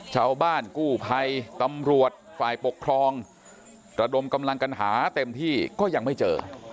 ชาวบ้านกู้ภัยตำรวจฝ่ายปกครองระดมกำลังกันหาเต็มที่ก็ยังไม่เจอ